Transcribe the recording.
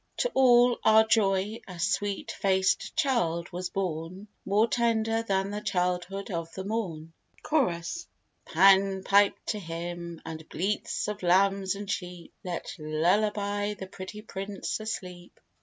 To all our joy, a sweet faced child was born, More tender than the childhood of the morn. CHORUS: Pan pipe to him, and bleats of lambs and sheep Let lullaby the pretty prince asleep!